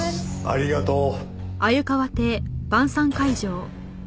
ありがとう。